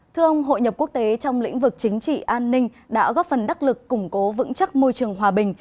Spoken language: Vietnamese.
thưa ông hội nhập quốc tế trong lĩnh vực chính trị an ninh đã góp phần đắc lực củng cố vững chắc môi trường hòa bình